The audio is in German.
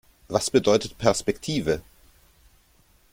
Was bedeutet Perspektive?